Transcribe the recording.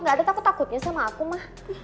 gak ada takut takutnya sama aku mah